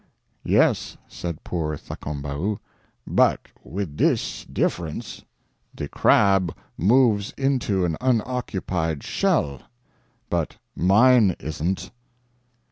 "Yes," said poor Thakombau, "but with this difference the crab moves into an unoccupied shell, but mine isn't."